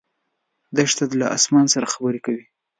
دښته له اسمان سره خبرې کوي.